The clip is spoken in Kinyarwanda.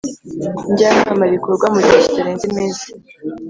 Njyanama rikorwa mu gihe kitarenze iminsi